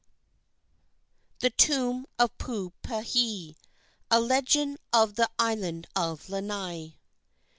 THE TOMB OF PUUPEHE. A LEGEND OF THE ISLAND OF LANAI.